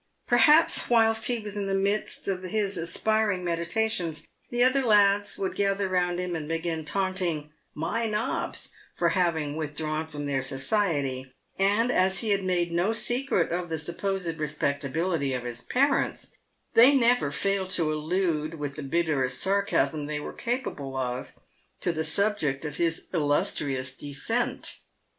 Perhaps whilst he was in the midst of his aspiring meditations, the other lads would gather round him and begin taunting "my nobs" for having withdrawn from their society, and as he had made no secret of the supposed respectability of his parents, they never failed to allude with the bitterest sarcasm they were capable of to the subject of his illustrious descent.